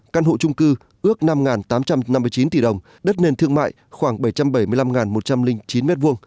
căn hộ trung cư ước năm tám trăm năm mươi chín tỷ đồng đất nền thương mại khoảng bảy trăm bảy mươi năm một trăm linh chín m hai